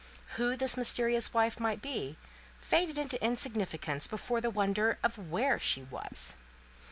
Who this mysterious wife might be faded into insignificance before the wonder of where she was.